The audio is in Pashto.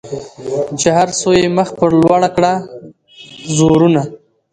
چي هر څو یې مخ پر لوړه کړه زورونه